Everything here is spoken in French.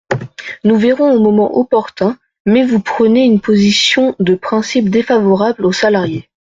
Nous verrons au moment opportun, mais vous prenez une position de principe défavorable aux salariés.